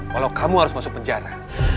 walau kamu harus masuk penjara